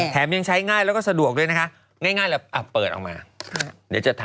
แถมยังใช้ง่ายแล้วก็สะดวกเลยนะคะง่ายแหละเปิดออกมา